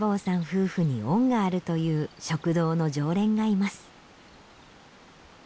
夫婦に恩があるという食堂の常連がいます。